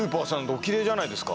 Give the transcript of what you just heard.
おキレイじゃないですか？